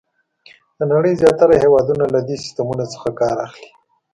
د نړۍ زیاتره هېوادونه له دې سیسټمونو څخه کار اخلي.